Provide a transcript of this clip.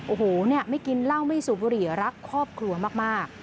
โอ้โหเนี่ยไม่กินเหล้าไม่สูบบุหรี่รักครอบครัวมาก